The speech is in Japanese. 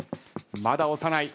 まだ押さない。